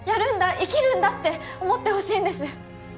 「生きるんだ」って思ってほしいんです